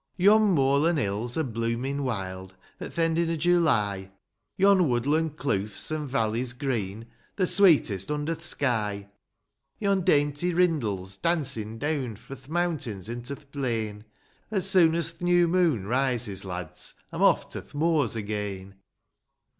III. Yon moorlan' hills are bloomin' wild At th' endin' o' July ; Yon woodlan' cloofs, an' valleys green, — The sweetest under th' sky ; Yon dainty rindles," dancin' deawn Fro' th' meawntains into th' plain; — As soon as th' new moon rises, lads, I'm off to th' moors again